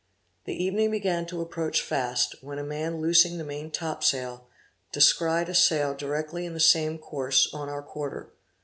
The evening began to approach fast, when a man loosing the main top sail, descried a sail directly in the same course on our quarter.